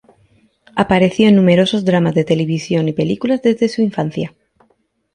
Apareció en numerosos dramas de televisión y películas desde su infancia.